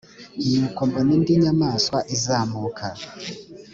nuko mbona indi nyamaswa izamuka